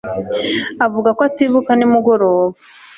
Avuga ko atibuka nimugoroba